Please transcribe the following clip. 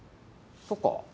そっか。